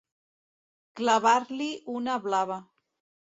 Clavar-li una blava.